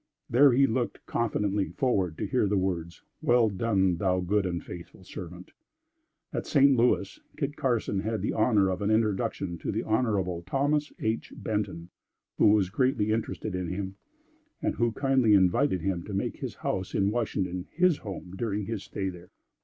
There he looked confidently forward to hear the words: "Well done thou good and faithful servant." At St. Louis, Kit Carson had the honor of an introduction to the Hon. Thomas H. Benton, who was greatly interested in him, and who kindly invited him to make his house in Washington his home during his stay there.